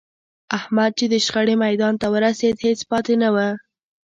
احمد چې د شخړې میدان ته ورسېد، هېڅ پاتې نه و.